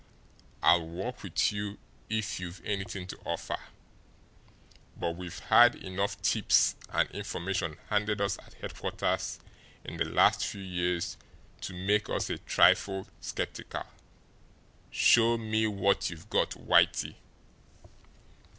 I'll work with you if you've anything to offer, but we've had enough 'tips' and 'information' handed us at headquarters in the last few years to make us a trifle skeptical. Show me what you've got, Whitey?"